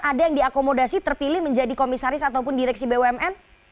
ada yang diakomodasi terpilih menjadi komisaris ataupun direksi bumn